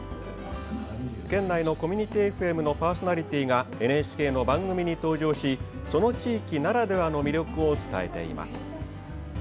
県内のコミュニティＦＭのパーソナリティーがＮＨＫの番組に登場しその地域ならではの魅力を伝えています。